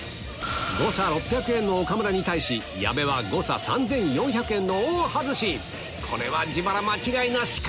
誤差６００円の岡村に対し矢部は誤差３４００円の大外しこれは自腹間違いなしか？